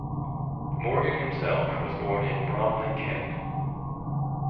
Morgan himself was born in Bromley, Kent.